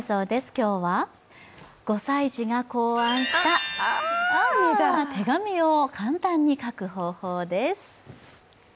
今日は、５歳児が考案した手紙を簡単に書く方法です。